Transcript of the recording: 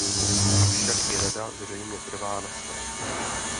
Avšak i Rada zřejmě trvá na svém.